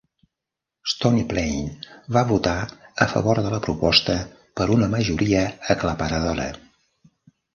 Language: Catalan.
Stony Plain va votar a favor de la proposta per una majoria aclaparadora.